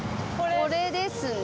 これですね。